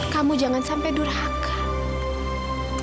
kamu jangan sampai durhaka